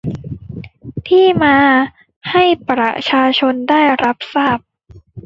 ที่มาให้ประชาชนได้รับทราบ